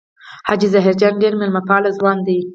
حاجي ظاهر جان ډېر مېلمه پال ځوان دی.